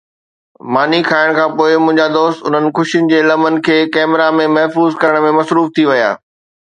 ماني کائڻ کان پوءِ منهنجا دوست انهن خوشين جي لمحن کي ڪئميرا ۾ محفوظ ڪرڻ ۾ مصروف ٿي ويا